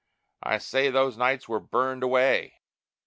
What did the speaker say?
I say those nights were burned away!